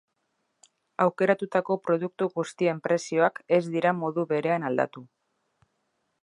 Aukeratutako produktu guztien prezioak ez dira modu berean aldatu.